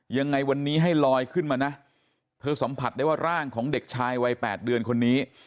ยังไงวันนี้ให้ลอยขึ้นมานะเธอสัมผัสได้ว่าร่างของเด็กชายวัย๘เดือนคนนี้